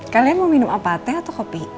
kalian mau minum apa teh atau kopi